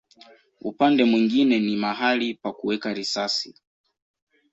Upande mwingine ni mahali pa kuweka risasi.